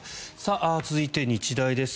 続いて、日大です。